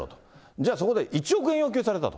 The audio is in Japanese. じゃあそこで１億円要求されたと。